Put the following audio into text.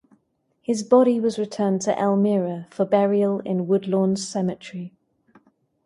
His body was returned to Elmira for burial in Woodlawn Cemetery.